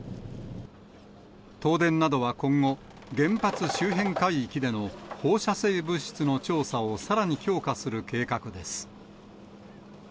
東電などは今後、原発周辺海域での放射性物質の調査をさらに強化する計画です。